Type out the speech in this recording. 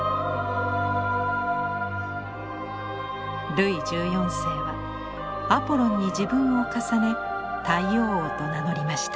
ルイ１４世はアポロンに自分を重ね「太陽王」と名乗りました。